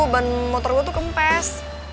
ban motor gue tuh kempes